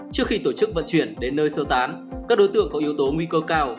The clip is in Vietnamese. trước khi tổ chức vận chuyển đến nơi sơ tán các đối tượng có yếu tố nguy cơ cao